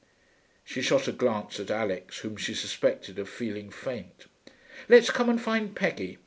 She shot a glance at Alix, whom she suspected of feeling faint. 'Let's come and find Peggy.